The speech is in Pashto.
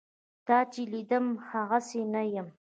تا چې لیدم هغسې نه یم.